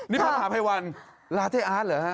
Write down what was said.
นี่พระมหาภัยวันลาเทอาร์ตเหรอฮะ